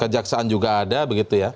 kejaksaan juga ada begitu ya